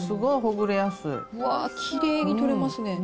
うわー、きれいに取れますね